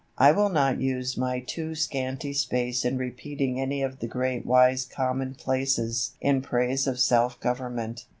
I will not use my too scanty space in repeating any of the great wise commonplaces in praise of self government.